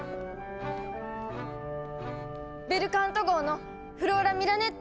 ベルカント号のフローラ・ミラネッティです！